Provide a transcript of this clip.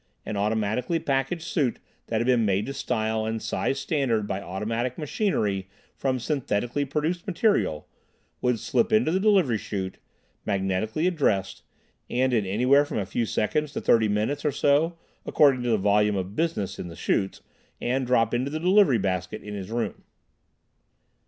An automatically packaged suit that had been made to style and size standard by automatic machinery from synthetically produced material, would slip into the delivery chute, magnetically addressed, and in anywhere from a few seconds to thirty minutes or so, according to the volume of business in the chutes, and drop into the delivery basket in his room.